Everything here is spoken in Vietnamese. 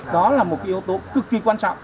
đó là một yếu tố cực kỳ quan trọng